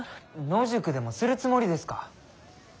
野宿でもするつもりですか？